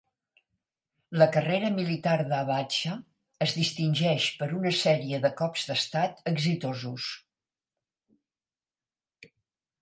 La carrera militar d'Abacha es distingeix per una sèrie de cops d'estat exitosos.